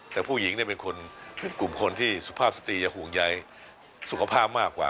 แต่ผู้หญิงเป็นคนเป็นกลุ่มคนที่สุภาพสตรีจะห่วงใยสุขภาพมากกว่า